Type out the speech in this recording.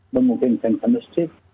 memungkinkan ke masjid